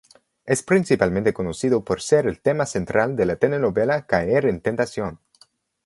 Es principalmente conocido por ser el tema central de la telenovela "Caer en tentación".